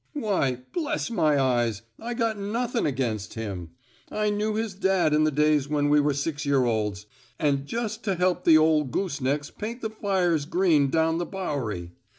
Why, bless my eyes, I got nuthin' against him. I knew his dad in the days when we were six year olds an' 'ust to help the ol' goose necks paint the fires green down the Bowery.